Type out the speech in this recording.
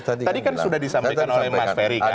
tadi kan sudah disampaikan oleh mas ferry kan